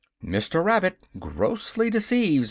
VI. MR. RABBIT GROSSLY DECEIVES MR.